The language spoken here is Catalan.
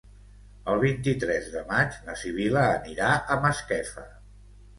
El vint-i-tres de maig na Sibil·la anirà a Masquefa.